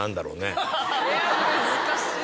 難しい。